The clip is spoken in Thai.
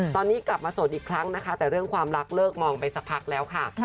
ตอนนี้กลับมาโสดอีกครั้งนะคะแต่เรื่องความรักเลิกมองไปสักพักแล้วค่ะ